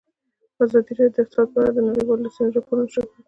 ازادي راډیو د اقتصاد په اړه د نړیوالو رسنیو راپورونه شریک کړي.